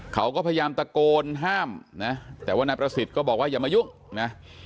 เขาก็พยายามตะโกนห้ามนะแต่ว่านายประสิทธิ์ก็บอกว่าอย่ามายุ่งนะ